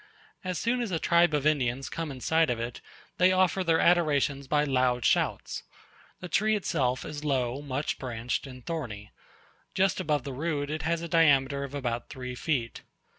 As soon as a tribe of Indians come in sight of it, they offer their adorations by loud shouts. The tree itself is low, much branched, and thorny: just above the root it has a diameter of about three feet.